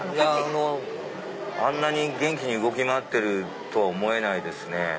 あんなに元気に動き回ってるとは思えないですね。